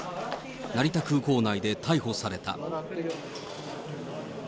成田空港内で逮捕された。